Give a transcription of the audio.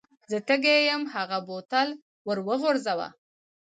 زه تږی یم هغه بوتل ور وغورځاوه.